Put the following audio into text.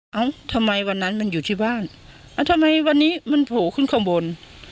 เอ้าทำไมวันนั้นมันอยู่ที่บ้านแล้วทำไมวันนี้มันโผล่ขึ้นข้างบน